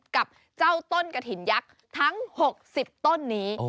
กับเจ้าต้นกระถิ่นยักษ์ทั้ง๖๐ต้นนี้